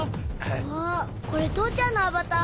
これ父ちゃんのアバター？